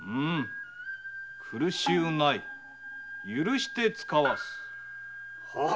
苦しゅうない許してつかわす。